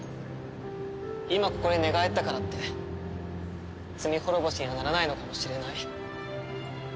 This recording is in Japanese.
今ここで寝返ったからって罪滅ぼしにはならないのかもしれない。